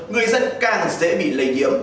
người dân càng sẽ bị lây nhiễm